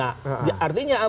daftar kartu tapi juga